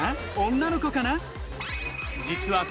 女の子かな？